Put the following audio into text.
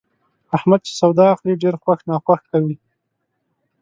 احمد چې سودا اخلي، ډېر خوښ ناخوښ کوي.